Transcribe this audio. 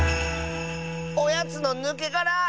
「おやつのぬけがら」！